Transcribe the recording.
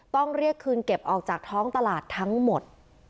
ต้องเรียกคืนเก็บออกจากท้องตลาดทั้งหมด